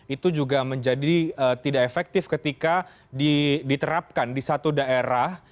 itu juga menjadi tidak efektif ketika diterapkan di satu daerah